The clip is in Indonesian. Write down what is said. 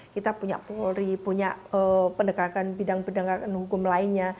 kita punya polri punya pendekakan bidang pendekakan hukum lainnya